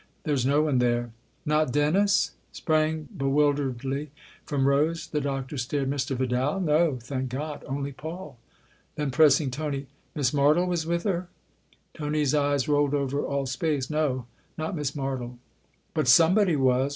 " There's no one there." " Not Dennis ?" sprang bewilderedly from Rose. The Doctor stared. "Mr. Vidal ? No, thank THE OTHER HOUSE 255 God only Paul." Then pressing Tony :" Miss Martle was with her ?" Tony's eyes rolled over all space. " No not Miss Martle." " But somebody was